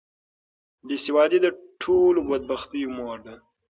بې سوادي د ټولو بدبختیو مور ده.